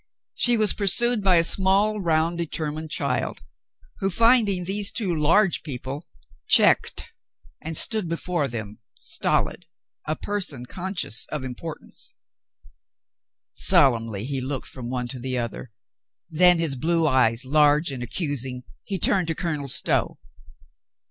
She was pursued by a small, round, determined child, who, finding these two A PERSON OF IMPORTANCE 57 large people, checked and stood before them stolid, a person conscious of importance. Solemnly he looked from one to the other, then, his blue eyes large and accusing, he turned to Colonel Stow.